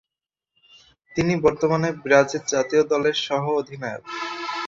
তিনি বর্তমানে ব্রাজিল জাতীয় দলের সহ-অধিনায়ক।